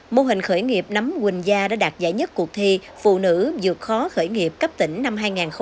mô hình khởi nghiệp nắm quỳnh gia đã đạt giải nhất cuộc thi phụ nữ dược khó khởi nghiệp cấp tỉnh năm hai nghìn hai mươi